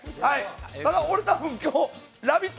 ただ、俺多分、今日ラヴィット！